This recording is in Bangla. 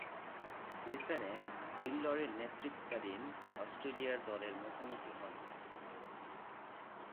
ব্রিসবেনে বিল লরি’র নেতৃত্বাধীন অস্ট্রেলিয়া দলের মুখোমুখি হন।